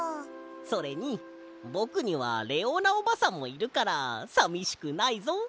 それにぼくにはレオーナおばさんもいるからさみしくないぞ。